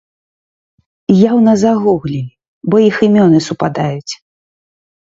Яўна загуглілі, бо іх імёны супадаюць!